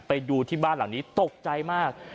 ไปดูที่บ้านหลังนี้ตกใจมาก